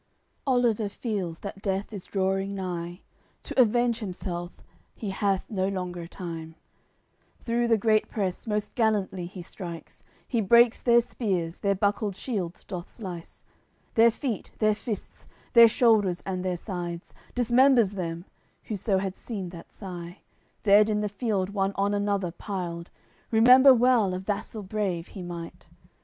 AOI. CXLVII Oliver feels that death is drawing nigh; To avenge himself he hath no longer time; Through the great press most gallantly he strikes, He breaks their spears, their buckled shields doth slice, Their feet, their fists, their shoulders and their sides, Dismembers them: whoso had seen that sigh, Dead in the field one on another piled, Remember well a vassal brave he might.